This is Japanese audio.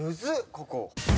ここ。